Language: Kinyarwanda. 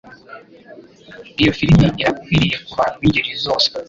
Iyo firime irakwiriye kubantu bingeri zose.